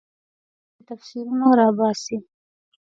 له دین څخه داسې تفسیرونه راباسي.